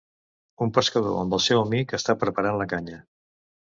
Un pescador amb el seu amic està preparant la canya.